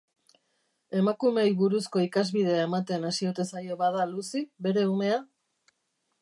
Emakumeei buruzko ikasbidea ematen hasi ote zaio bada Lucy, bere umea?